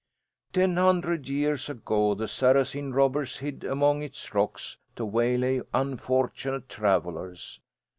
Ten hundred years ago the Saracen robbers hid among its rocks to waylay unfortunate travellers.